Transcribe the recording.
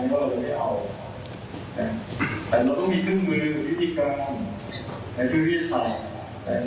แต่เราต้องมีทุกมือวิธีกรรมในทุกวิทยาศาสตร์